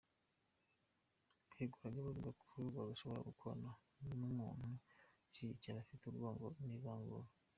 Beguraga bavuga ko badashobora gukorana n’umuntu ushyigikiye abafite urwango n’ivangura.